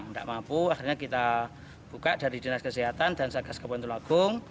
nggak mampu akhirnya kita buka dari dinas kesehatan dan satgas kabupaten tulung agung